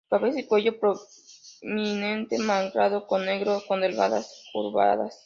Su cabeza y cuello prominente manchado con negro, con delgadas y curvadas.